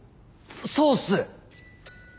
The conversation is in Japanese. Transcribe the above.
そうっす。